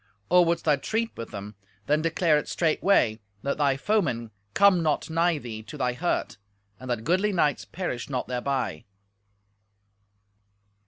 Or wouldst thou treat with them, then declare it straightway, that thy foemen come not nigh thee to thy hurt, and that goodly knights perish not thereby."